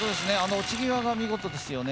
落ち際が見事ですよね。